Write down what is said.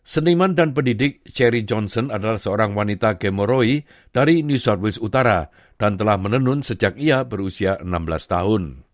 seniman dan pendidik sherry johnson adalah seorang wanita gemoroi dari new southeast utara dan telah menenun sejak ia berusia enam belas tahun